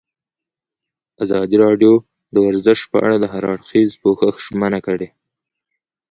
ازادي راډیو د ورزش په اړه د هر اړخیز پوښښ ژمنه کړې.